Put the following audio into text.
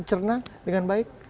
cernah dengan baik